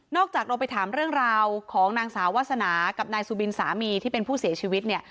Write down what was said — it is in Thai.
จากเราไปถามเรื่องราวของนางสาววาสนากับนายสุบินสามีที่เป็นผู้เสียชีวิตเนี่ย